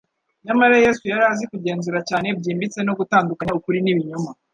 nyamara Yesu yari azi kugenzura cyane byimbitse no gutandukanya ukuri n'ibinyoma;